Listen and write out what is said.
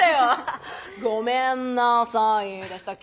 ごめんなさいでしたっけ？